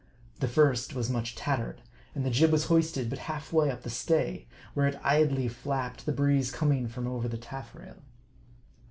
The first was much tattered ; and the jib was hoisted but half way up the stay, where it idly flapped, the breeze coming from over the taffrail.